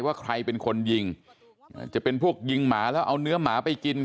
ว่าใครเป็นคนยิงจะเป็นพวกยิงหมาแล้วเอาเนื้อหมาไปกิน